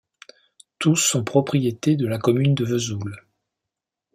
Tous sont propriétés de la commune de Vesoul.